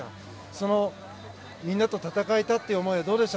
そのみんなと戦えたという思いはどうですか。